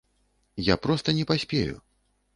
Я проста не паспею.